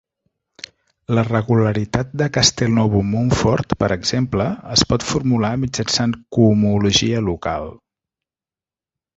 La regularitat de Castelnuovo-Mumford, per exemple, es pot formular mitjançant cohomologia local.